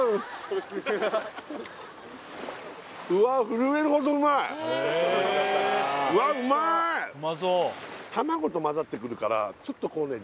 震えるほどうまいわあうまーい卵と混ざってくるからちょっとこうね